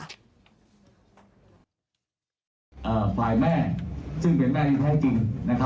ฝ่ายแม่ซึ่งเป็นแม่ที่แท้จริง